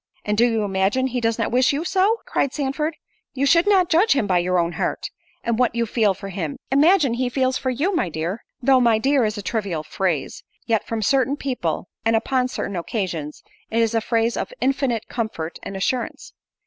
"And do you imagine he does not wish you so?" cried Sandford. "You should judge him by your own heart; and what you feel for him, imagine he feels for you, my dear." Though "my dear" is a trivial phrase, yet from certain people, and upon certain occasions, it is a phrase of infinite comfort and assurance.